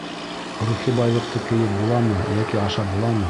Рухи байлыҡты кейеп буламы йәки ашап буламы?